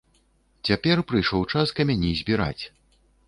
Цяпер прыйшоў час камяні збіраць.